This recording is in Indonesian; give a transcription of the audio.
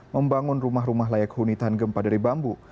membangun rumah rumah layak huni tahan gempa dari bambu